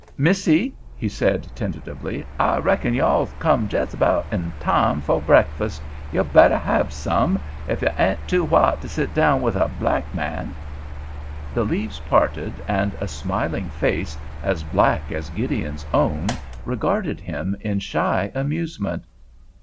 "Missy," he said tentatively, "I reckon yo' all's come jes 'bout 'n time foh breakfus. Yo' betteh have some. Ef yo' ain' too white to sit down with a black man." The leaves parted, and a smiling face as black as Gideon's own regarded him in shy amusement.